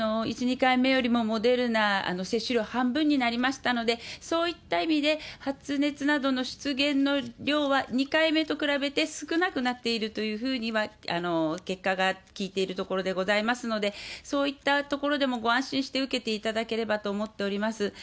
１、２回目よりもモデルナ、接種量半分になりましたので、そういった意味で、発熱などの出現の量は、２回目と比べて少なくなっているというふうには、結果が聞いているところでございますので、そういったところでもご安心して受けていただければと思っております。